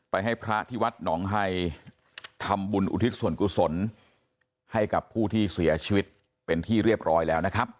ให้พระที่วัดหนองไฮทำบุญอุทิศส่วนกุศลให้กับผู้ที่เสียชีวิตเป็นที่เรียบร้อยแล้วนะครับ